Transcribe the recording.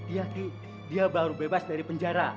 ya ki dia baru bebas dari penjara